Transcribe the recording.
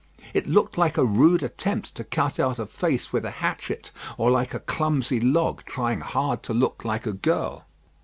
It looked like a rude attempt to cut out a face with a hatchet; or like a clumsy log trying hard to look like a girl.